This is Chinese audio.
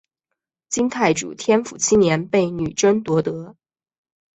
金太祖天辅七年被女真夺得。